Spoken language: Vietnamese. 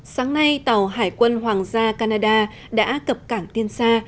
sáng nay tàu hải quân hoàng gia canada đã cập cảng tiên sa